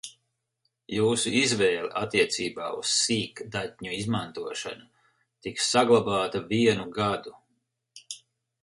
Jūsu izvēle attiecībā uz sīkdatņu izmantošanu tiks saglabāta vienu gadu.